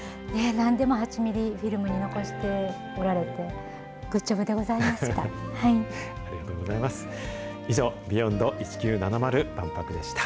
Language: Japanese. なんでも８ミリフィルムに残しておられて、グッジョブでございました。